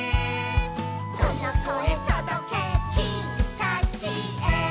「このこえとどけきみたちへ」